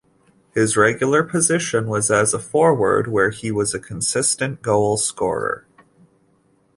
His regular position was as a forward where he was a consistent goal scorer.